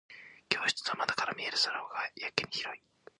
教室の窓から見える空がやけに広い。